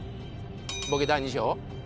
ボケ第２章？